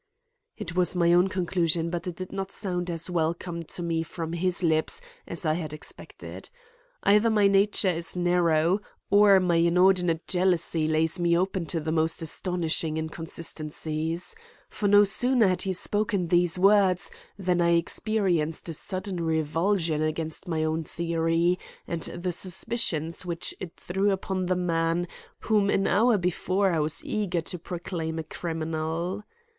It was my own conclusion but it did not sound as welcome to me from his lips as I had expected. Either my nature is narrow, or my inordinate jealousy lays me open to the most astonishing inconsistencies; for no sooner had he spoken these words than I experienced a sudden revulsion against my own theory and the suspicions which it threw upon the man whom an hour before I was eager to proclaim a criminal.